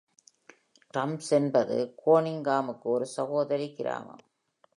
Drums என்பது கோனிங்காமுக்கு ஒரு சகோதரி கிராமம்.